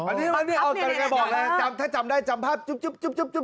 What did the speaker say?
อันนี้แกบอกแล้วจำถ้าจำได้จำภาพจุ๊บ